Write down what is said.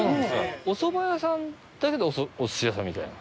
おそば屋さんだけどお寿司屋さんみたいな？